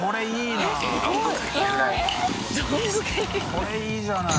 これいいじゃない。